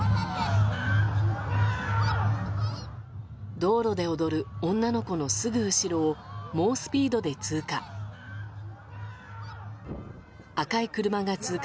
道路で踊る女の子のすぐ後ろを猛スピードで通過。